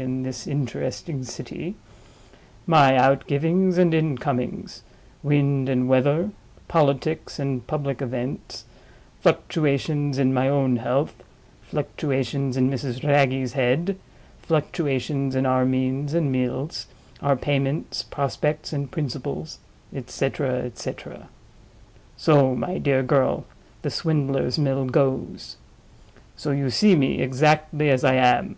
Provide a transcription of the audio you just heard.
in this interesting city); my outgivings and incomings; wind and weather; politics and public events; fluctuations in my own health; fluctuations in Mrs. Wragge's head; fluctuations in our means and meals, our payments, prospects, and principles; et cetera, et cetera. So, my dear girl, the Swindler's Mill goes. So you see me exactly as I am.